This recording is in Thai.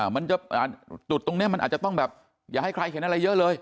มันจะจุดตรงนี้มันอาจจะต้องแบบอย่าให้ใครเห็นอะไรเยอะเลย